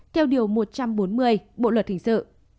theo điều một trăm bốn mươi bộ luật hình sự